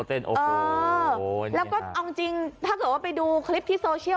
แล้วก็เอาจริงถ้าเกิดว่าไปดูคลิปที่โซเชียล